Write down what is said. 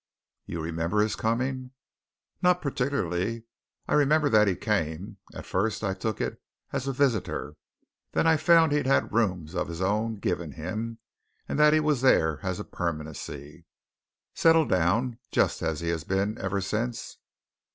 "You remember his coming?" "Not particularly. I remember that he came at first, I took it, as a visitor. Then I found he'd had rooms of his own given him, and that he was there as a permanency." "Settled down just as he has been ever since?"